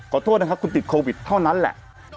ขอโทษนะครับคุณติดโควิดเท่านั้นแหละ